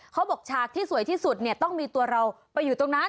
ฉากที่สวยที่สุดเนี่ยต้องมีตัวเราไปอยู่ตรงนั้น